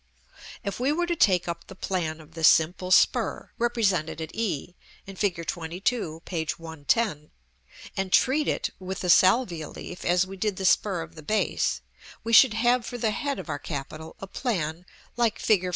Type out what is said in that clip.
If we were to take up the plan of the simple spur, represented at e in Fig. XXII., p. 110, and treat it, with the salvia leaf, as we did the spur of the base, we should have for the head of our capital a plan like Fig.